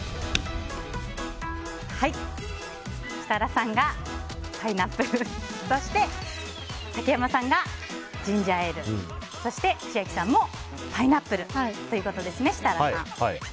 設楽さんがパイナップルそして、竹山さんがジンジャーエールそして千秋さんもパイナップルということですね。